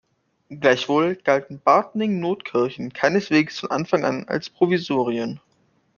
Gleichwohl galten Bartning-Notkirchen keineswegs von Anfang an als Provisorien.